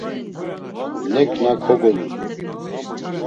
Neǩna kogoludu.